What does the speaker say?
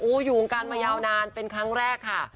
อยู่วงการมายาวนานเป็นครั้งแรกค่ะ